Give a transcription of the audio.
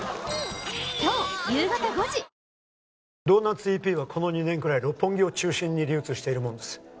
ドーナツＥＰはこの２年ぐらい六本木を中心に流通しているもんです